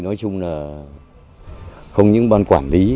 nói chung là không những ban quản lý